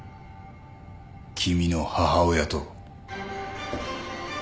君の母親と。